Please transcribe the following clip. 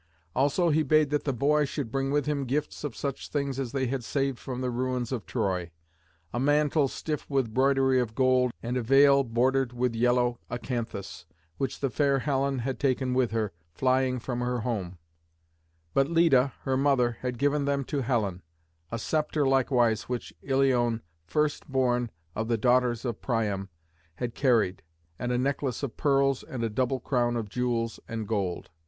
Also he bade that the boy should bring with him gifts of such things as they had saved from the ruins of Troy, a mantle stiff with broidery of gold and a veil bordered with yellow acanthus, which the fair Helen had taken with her, flying from her home; but Leda, her mother, had given them to Helen; a sceptre likewise which Ilione, first born of the daughters of Priam, had carried, and a necklace of pearls and a double crown of jewels and gold.